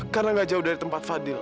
karena gak jauh dari tempat fadil